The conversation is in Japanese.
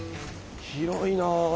広いなあ。